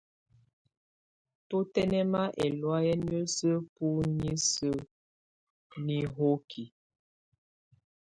Tu tɛnɛma ɛlɔ̀áyɛ nuɛsɛ bu nisuǝ́ nihóki.